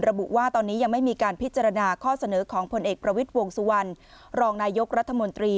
ระบุว่าตอนนี้ยังไม่มีการพิจารณาข้อเสนอของผลเอกประวิทย์วงสุวรรณรองนายกรัฐมนตรี